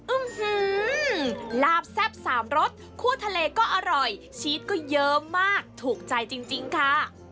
ลาบแซ่บสามรสคั่วทะเลก็อร่อยชีสก็เยอะมากถูกใจจริงค่ะ